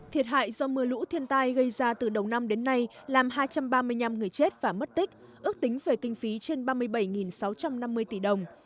thiệt hại do mưa lũ thiên tai gây ra từ đầu năm đến nay làm hai trăm ba mươi năm người chết và mất tích ước tính về kinh phí trên ba mươi bảy sáu trăm năm mươi tỷ đồng